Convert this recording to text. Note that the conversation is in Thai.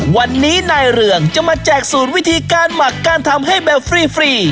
วันนี้นายเรืองจะมาแจกสูตรวิธีการหมักการทำให้แบบฟรี